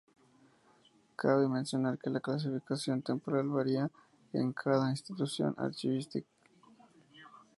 Cabe mencionar que la clasificación temporal varía en cada institución archivística.